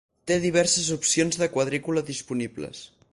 Té diverses opcions de quadrícula disponibles.